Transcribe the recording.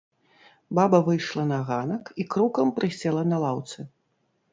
Баба выйшла на ганак і крукам прысела на лаўцы.